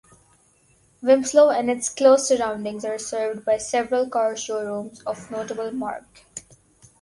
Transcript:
Wilmslow and its close surroundings are served by several car showrooms of notable marque.